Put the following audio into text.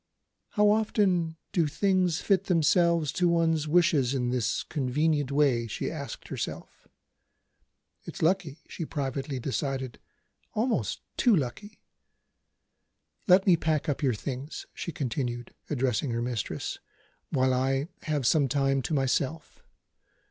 "How often do things fit themselves to one's wishes in this convenient way?" she asked herself. "It's lucky," she privately decided "almost too lucky. Let me pack up your things," she continued, addressing her mistress, "while I have some time to myself.